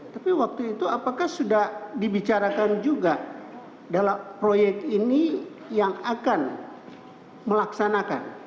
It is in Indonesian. tapi waktu itu apakah sudah dibicarakan juga dalam proyek ini yang akan melaksanakan